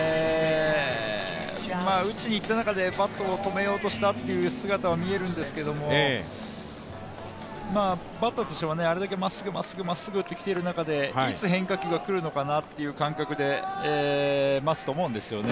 打ちにいった中でバットを止めようとした姿は見れたんですけどバッターとしてもあれだけまっすぐときている中で、いつ変化球が来るのかなという感覚で待つと思うんですよね。